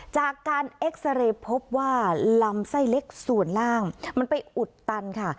จากการเอ็กซาเรย์พบว่าลำไส้เล็กส่วนล่างมันไปอุดตันค่ะ